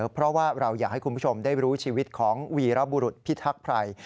เพราะว่าเราอยากให้คุณผู้ชมได้รู้ชีวิตของวีรบุรุษพิทักษภัย